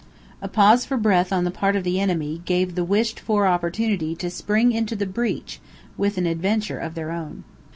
A pause for breath on the part of the enemy gave the wished for opportunity to spring into the breach with an adventure of their own.